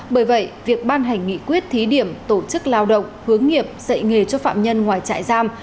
bởi vậy việc ban hành nghị quyết thí điểm tổ chức lao động hướng nghiệp dạy nghề cho phạm nhân ngoài trại giam